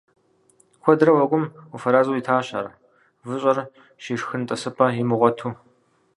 Куэдрэ уэгум уфэразэу итащ ар, выщӀэр щишхын тӀысыпӀэ имыгъуэту.